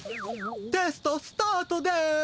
テストスタートです！